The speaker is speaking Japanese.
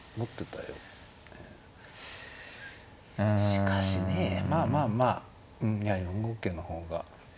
しかしねえまあまあまあ４五桂の方が。